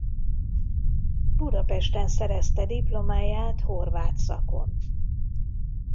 Budapesten szerezte diplomáját horvát szakon.